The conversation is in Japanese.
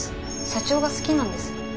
社長が好きなんです。